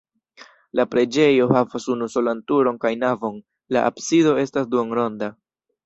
La preĝejo havas unusolan turon kaj navon, la absido estas duonronda.